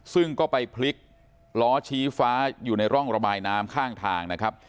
ซึ่งก็ไปพลิกล้อชี้ฟ้าอยู่ในร่องระบายน้ำข้างทางนะครับ